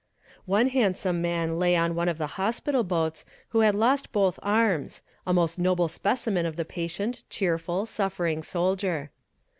One handsome young man lay on one of the hospital boats who had lost both arms a most noble specimen of the patient, cheerful, suffering soldier.